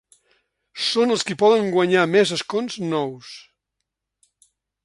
Són els qui poden guanyar més escons nous.